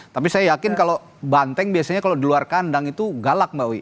tapi saya yakin kalau banteng biasanya kalau di luar kandang itu galak mbak wiwi